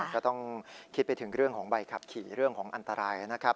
ก็ต้องคิดไปถึงเรื่องของใบขับขี่เรื่องของอันตรายนะครับ